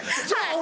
俺